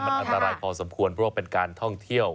มันอันตรายพอสมควรเพราะว่าเป็นการท่องเที่ยว